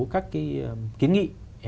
các cái kiến nghị